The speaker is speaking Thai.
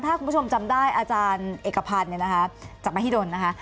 ถ้าคุณผู้ชมจำได้อาจารย์เอกพันธ์จากมหิดลนะคะ